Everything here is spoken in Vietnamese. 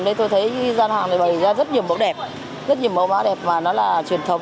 đây tôi thấy gian hàng này bày ra rất nhiều mẫu đẹp rất nhiều mẫu mã đẹp mà nó là truyền thống